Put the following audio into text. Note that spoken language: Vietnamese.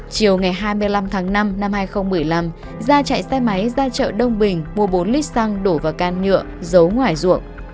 chiều ngày hai mươi năm tháng năm năm hai nghìn một mươi năm gia chạy xe máy ra chợ đông bình mua bốn lít xăng đổ vào can nhựa giấu ngoài ruộng